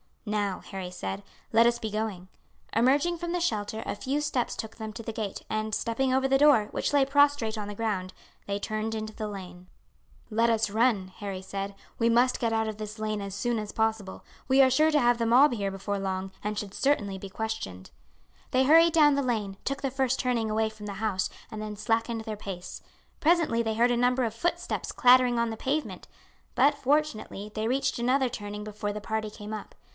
"Now," Harry said, "let us be going." Emerging from the shelter, a few steps took them to the gate, and stepping over the door, which lay prostrate on the ground, they turned into the lane. "Let us run," Harry said; "we must get out of this lane as soon as possible. We are sure to have the mob here before long, and should certainly be questioned." They hurried down the lane, took the first turning away from the house, and then slackened their pace. Presently they heard a number of footsteps clattering on the pavement; but fortunately they reached another turning before the party came up.